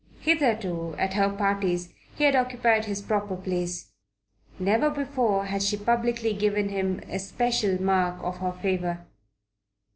Hitherto at her parties he had occupied his proper place. Never before had she publicly given him especial mark of her favour.